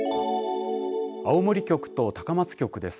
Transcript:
青森局と高松局です。